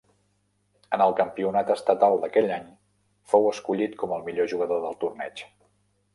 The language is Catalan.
En el campionat estatal d'aquell any fou escollit com el millor jugador del torneig.